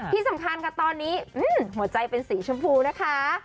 ที่สำคัญค่ะตอนนี้หัวใจเป็นสีชมพูนะคะ